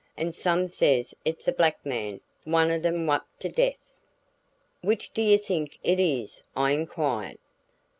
An' some says it's a black man one o' dem whupped to deaf." "Which do you think it is?" I inquired.